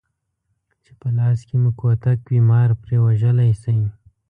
چې په لاس کې مو کوتک وي مار پرې وژلی شئ.